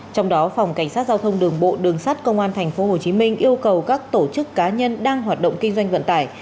trong đó phòng cảnh sát giao thông đường bộ đường sát công an tp hcm yêu cầu các tổ chức cá nhân đang hoạt động kinh doanh vận tải